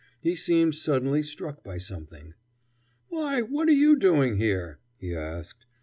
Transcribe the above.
He seemed suddenly struck by something. "Why, what are you doing here?" he asked.